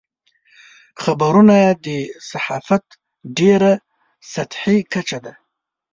خبرونه د صحافت ډېره سطحي کچه ده.